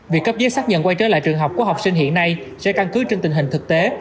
việc cấp giấy xác nhận quay trở lại trường học của học sinh hiện nay sẽ căn cứ trên tình hình thực tế